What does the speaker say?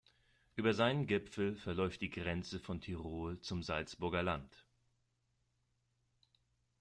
Über seinen Gipfel verläuft die Grenze von Tirol zum Salzburger Land.